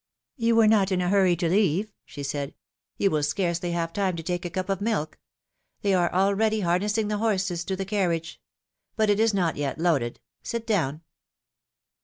You were not in a hurry to leave,'' she said. You will scarcely have time to take a cup of milk ; they are already harnessing the horses to the carriage; but it is not yet loaded : sit down."